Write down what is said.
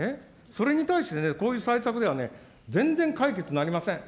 それに対して、こういう対策では、全然解決になりません。